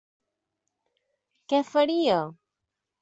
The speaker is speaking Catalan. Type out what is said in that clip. Què faria?